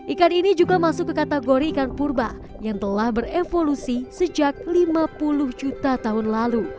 ikan ini juga masuk ke kategori ikan purba yang telah berevolusi sejak lima puluh juta tahun lalu